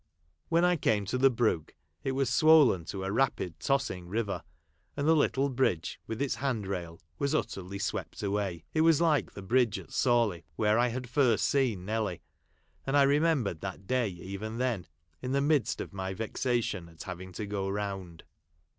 When I came to the brook, it was swollen to a rapid tossing river ; and the little bridge, with its hand rail, was utterly swept away. It Avas ISke the bridge at Sawley, \vhere I had first seen Nelly ; and I remembered that day even then, in the midst of my vexation at having to go round.